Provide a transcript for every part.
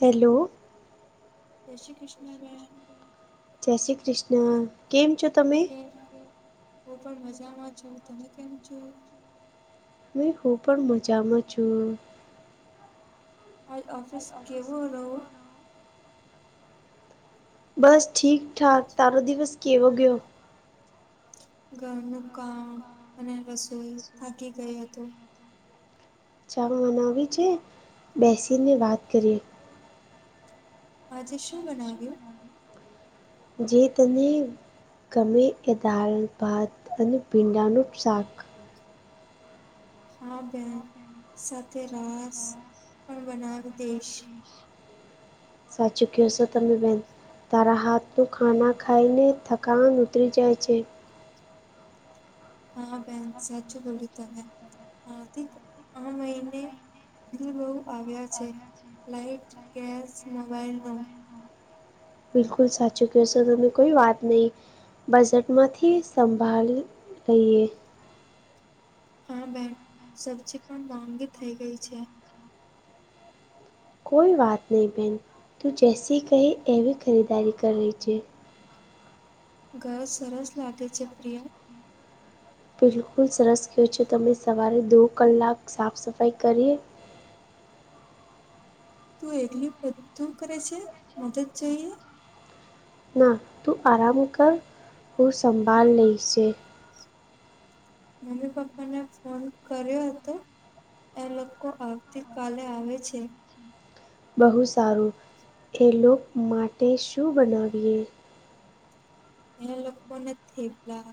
Hello! જય શ્રીકૃષ્ણ! બેન જય શ્રી કૃષ્ણ! કેમ છો તમે? કેમ, હું પણ મજામાં છું, તમે કેમ છો? મેં, હું પણ મજામાં છું. હાલ ઓફિસ કેવો રહો? બસ ઠીક ઠાક, તારો દિવસ કેવો ગયો? ઘરનું કામ અને રસોઈ, થાકી ગઈ હતો ચા બનાવવી છે, બેસીને વાત કરીએ. આજે શું બનાવ્યું? જે તને ગમે એ દાલભાત અને ભીંડાનું શાક. હા, બેન સાથે રાસ પણ બનાવ દેઈશ સાચું કેવ શો તમે બેન તારા હાથનું ખાના ખાઈને થકાન ઉતરી જાય છે. હા, બેન સાચુ બોલુ તમે, હાથીક આ મહિને બિલ બહુ આવ્યા છે, લાાઈટ, ગેસ, મોબાઈલનો બિલકુલ સાચું કેવ શો તમે, કોઈ વાત નઈ બજેટમાંથી સંભાળી લઈએ હા, બેન સબજી પણ મોંગી થઇ ગઈ છે. કોઈ વાત નહીં બેન, તું જૈસી કહી એવી ખરીદારી કરી લેજે ઘર સરસ લાગે છે, પ્રિય બિલકુલ સરસ કેવ છો તમે સવારે દો કલાક સાફસફાઈ કરીએ તું એકલી બધું કરે છે, મદદ જોઈએ? ના, તું આરામ કર, હું સંભાળ લઈશે. મમ્મી- પપ્પાને ફોન કર્યો અતો? એ લોકો આવતી કાલે આવે છે. બહુ સારું, એ લોક માટે શું બનાવીએ? એ લોકોને થેપલા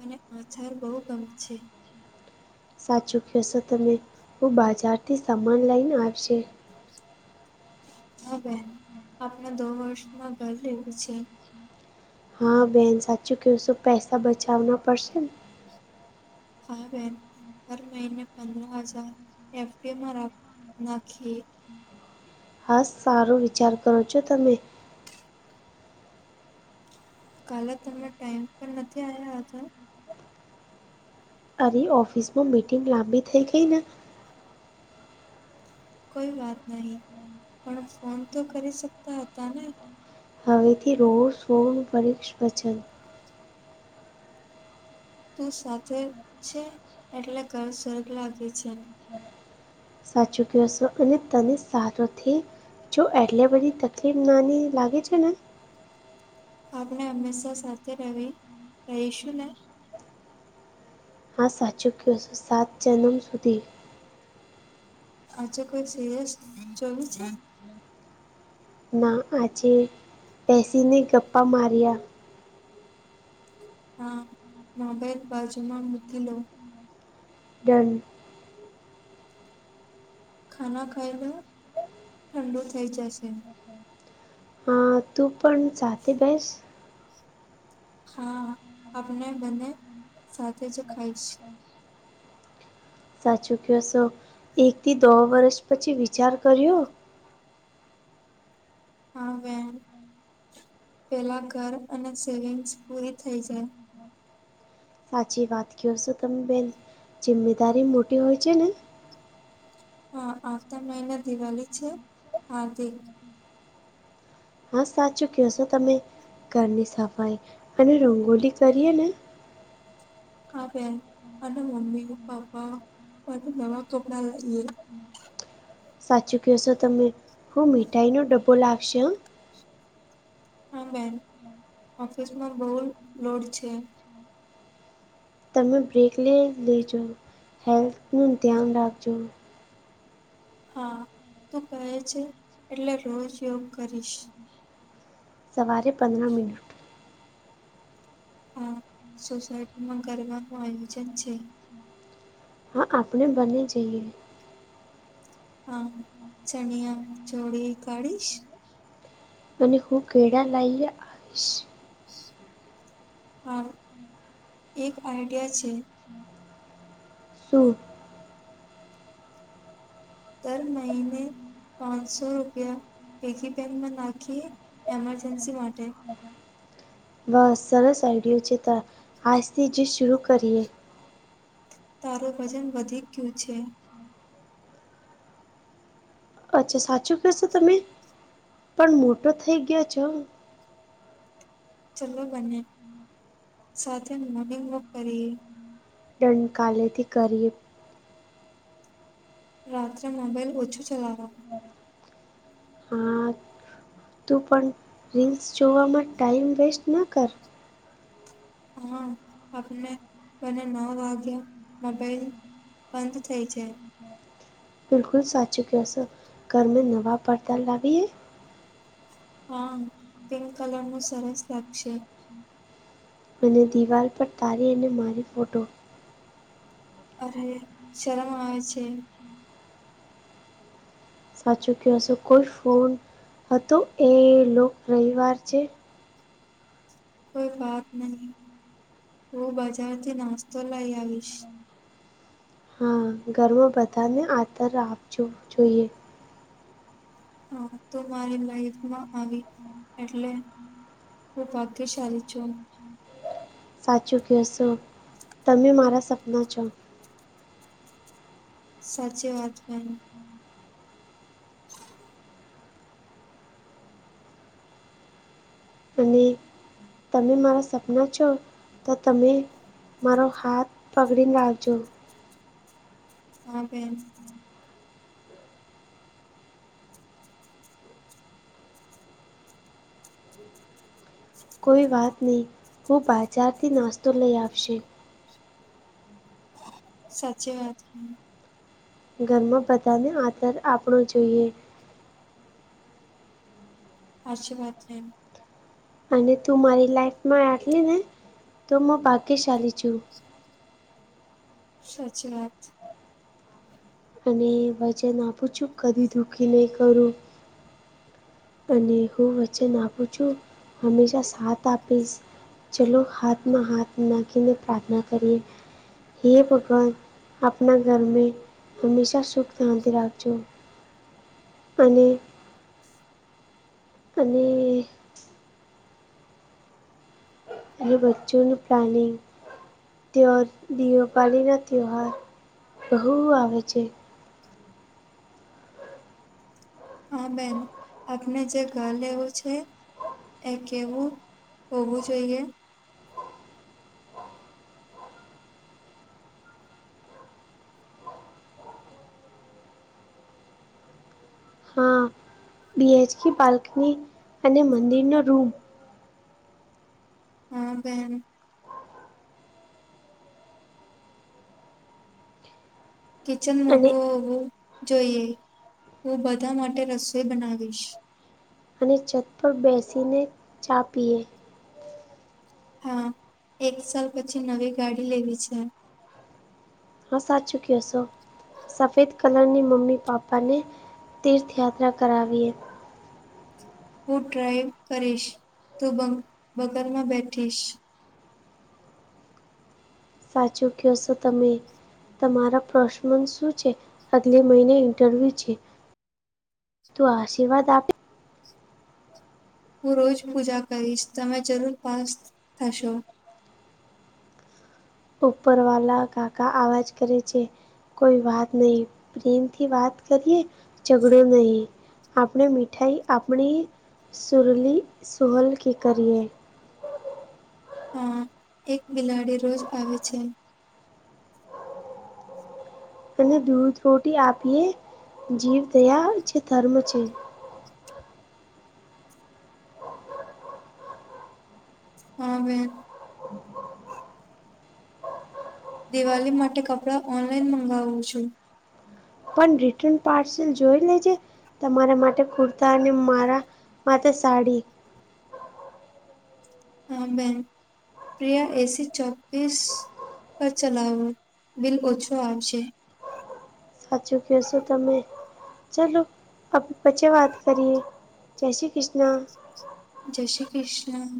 અને આછાર બહુ ગમે છે. સાચું કેવ શો તમે, હું બાજારથી સમાન લઈને આવશે હા, બેન આપણે દો વર્ષમાં ઘર લેવું છે. હા, બેન સાચું કેવ શું પૈસા બચાવના પડશે ને હા, બેન હર મહિને પંદ્ર હજાર એફડીમાં રાખ નાખીએ હાસ, સારો વિચાર કરો છો તમે. કાલે તમે ટાઈમ પર નથી આયા હતા? અરી ઓફિસમાં મીટિંગ લાંબી થઇ ગઈ ને કોઈ વાત નહી, પણ ફોન તો કરી શકતા અતા ને હવેથી રોજ ફોનું પરીક્ષ વચન તું સાથે છે એટલે ઘર સ્વગ લાગે છે. સાચું કેવો શો અને તને સારોથી જો એટલે બધી તકલીફ નાની લાગે છે, ને આપણે હંમેશા સાથે રેવી, રહીશું ને? આ સાચું ક્યોસો સાત જન્મ સુધી, અચ્છા કોઈ સીરસ ચોવીસ. ના આજે બેસીને ગપ્પા માર્યા, હા મોબાઈલ બાજુમાં મોકેલો ડન ખાના ખાઈલો, ઠંડુ થઈ જશે. હા તું પણ સાથે બેસ. હા આપને બને સાથે જ ખાઈશ. સાચું કયો સો. એકથી દો વર્ષ પછી વિચાર કર્યો. હા બેન. પેલા ઘર અને સેવિંગ્સ પૂરી થઈ જાય. હાચી વાત કયો સો તમે બેન. જિમ્મેદારી મોટી હોય છે ને હા આવતા મહિને દિવાલી છે. આવતી હા સાચું કયો સો તમે. ઘરની સફાઈ અને રંગોલી કરીએ ને. હા બેન અને મમ્મી ને પપા બધાં નવા કપડા લઈએ. સાચું કયો સો તમે. હું મીઠાઈનો ડબ્બો લાવશે હા. હા બેન ઓફિસમાં બહુ લોડ છે. તમે બ્રેક લઈ લેજો. હેલ્થનું ધ્યાન રાખજો. હા તું કહે છે, એટલે રોજ યોગ કરીશ. સવારે પંદરા મીન હહ. હા સોસાયટીમાં કરવાનું આયોજન છે. હા આપણે બંને જઈએ. હા ચણિયા ચોળી કાળીશ? અને હું કઈડા લાઇ આવીશ. હા એક આઈડિયા છે. શું? દર મહિને પાંચસો રૂપિયા પિગી બેેકમાં નાખીએ એમરજન્સી માટે. વાહ! સરસ આઈડિયો છે, તા આજથી જ શુરૂ કરીએ. તારો વજન વધી ગયો છે. અચ્છા સાચું કયો શો તમે? પણ મોટો થઈ ગયો છો. ચલ્લો બંને સાથે મોર્નિંગ વોક કરીએ. ડન કાલેથી કરીએ. રાત્રે મોબાઈલ ઓછું ચલાવાનું. હા તું પણ રીલ્સ જોવામાં ટાઈમ વેસ્ટ ન કર. હા આપને બંને નવ વાગ્યા મોબાઈલ. બંધ થઈ જાય. બિલકુલ સાચું કયો સો. ઘર મેં નવા પરદા લાવીએ? હા પિંક કલરનું સરસ લાગશે. અને દિવાલ પર તારી અને મારી ફોટો. અરે! શરમ આવે છે. સાચું કયો સો. કોઈ ફોન હતો એ લોક રવિવાર છે. કોઈ વાત નહી. હું બજારથી નાસ્તો લઈ આવીશ. હહ ઘરમાં બધા ને આદર આપજો જોઈએ. હા તું મારી લાઈફમાં આવી એટલે. હું ભાગ્યશાલી છું. સાચું કયો સો. તમે મારા સપનાં છો. સાચી વાત બેન. હ [inaudible] અને તમે મારા સપના છો. તો તમે મારો હાથ પકડી રાખજો. હા બેન. કોઈ વાત નહીં. હું બજારથી નાસ્તો લઈ આવશે. સાચી વાત. હમ ઘરમાં બધાને આધર આપણો જોઈએ. સાચી વાત છેમ. અને તું મારી લાઈફમાં આટલી ને, તો હું ભાગ્યશાલી છું. સાચી વાત. અને વચન આપું છું. કબી દુઃખી નહીં કરું. અને હું વચન આપું છું. હંમેશા સાથ આપીશ. ચલો, હાથમાં હાથ નાખીને પ્રાર્થના કરીએ. હે ભગવાન, આપના ઘર મે. હંમેશા સુખ શાંતિ રાખજો. અને અને. અને બચ્ચોનું પ્લાનિંગ. ત દીવાપાળીના તહેવાર બહુ આવે છે. હા બેન. આપને જે ઘર લેવું છે. એ કેવું હોવું જોઈએ? બી એચકી બાલ્કની અને મંદિરનો રૂમ. હા બેન. કિચન મોટું હોવું જોઈએ. હું બધા માટે રસોઈ બનાવીશ. અને છત પર બેસીને ચા પીએ. હા! એક સાલ પછી નવી ગાડી લેવી છે. હા સાચૂ ક્યો છો. સફેદ કલરની મમ્મી પાપ્પાને તીર્થયાત્રા કરાવીએ. હું ડ્રાઈવ કરીશ. તું બ બગલમાં બેઠીશ. સાચું ક છો તમે. તમારા પ્રસમન શું છે? આગલે મહિને ઇન્ટરવ્યૂ છે. તું આશીર્વાદ આપ. હું રોજ પૂજા કરીશ. તમે જરૂર પાસ થશો. ઉપરવાલા કાકા આવાજ કરે છે. કોઈ વાત નહી. પ્રેમ થી વાત કરીએ. ઝઘડો નહીં. આપણે મીઠાઈ, આપણી સુરલી સુહલકી કરીએ. હા! એક બિલાડી રોજ આવે છે. અને દૂધ રોટી આપીએ. જીવ દયા જે ધર્મ છે. હા બેન. દિવાળી માટે કપડા ઓનલાઈન મંગાવું છું. પણ રિટર્ન પાર્સલ જોઈ લેજે. તમારા માટે કુર્તા અને મારા. મા તો સાડી. હા બેન. પ્રિયા એસી ચોક્ીસ પર ચલાવું. બિલ ઓછું આવશે. સાચું કશો તમે. ચલોો આપ પછી વાત કરીએ. જૈશ્રી કૃષ્ણ. જય શ્રી કૃષ્ણ.